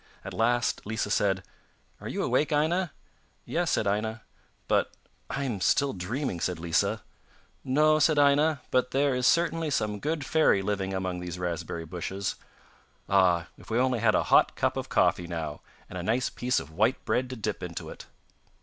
At last Lisa said: 'Are you awake, Aina?' 'Yes,' said Aina. 'But I am still dreaming,' said Lisa. 'No,' said Aina, 'but there is certainly some good fairy living among these raspberry bushes. Ah, if we had only a hot cup of coffee now, and a nice piece of white bread to dip into it!